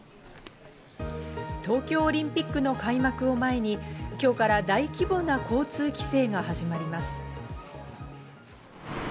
東京オリンピックの開幕を前に今日から大規模な交通規制が始まります。